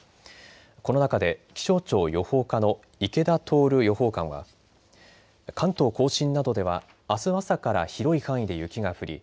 この中で気象庁予報課の池田徹予報官は関東甲信などではあす朝から広い範囲で雪が降り